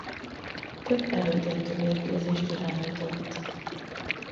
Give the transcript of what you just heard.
Több elődöntő mérkőzést irányított.